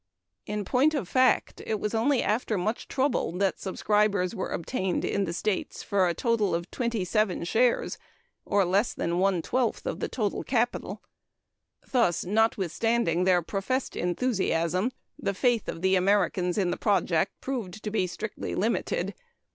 In point of fact, it was only after much trouble that subscribers were obtained in the States for a total of twenty seven shares, or less than one twelfth of the total capital. Thus, notwithstanding their professed enthusiasm, the faith of the Americans in the project proved to be strictly limited.